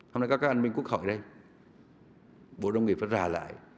hôm nay các anh minh quốc hội đây bộ nông nghiệp phải ra lại